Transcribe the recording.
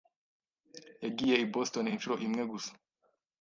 yagiye i Boston inshuro imwe gusa.